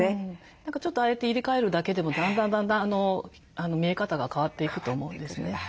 何かちょっとああやって入れ替えるだけでもだんだんだんだん見え方が変わっていくと思うんですね。